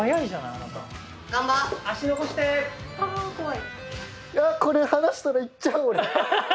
いやこれ離したらいっちゃう俺。